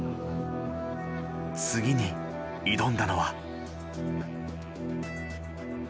次に挑んだのは。